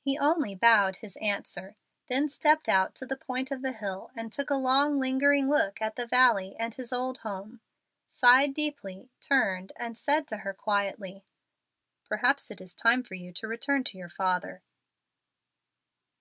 He only bowed his answer, then stepped out to the point of the hill, and took a long, lingering look at the valley and his old home, sighed deeply, turned, and said to her, quietly, "Perhaps it is time for you to return to your father."